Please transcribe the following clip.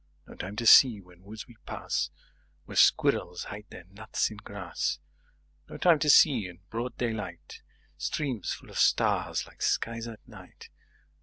5No time to see, when woods we pass,6Where squirrels hide their nuts in grass.7No time to see, in broad daylight,8Streams full of stars like skies at night.